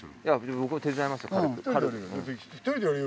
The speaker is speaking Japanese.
僕も手伝いますよ。